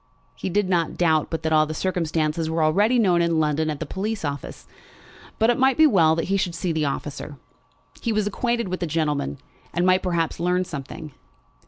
He did not doubt but that all the circumstances were already known in London at the police office; but it might be well that he should see the officer. He was acquainted with the gentleman, and might perhaps learn something.